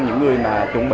những người mà chuẩn bị